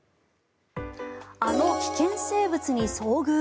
あの危険生物に遭遇。